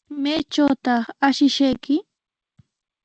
¿Maytrawtaq ashishayki?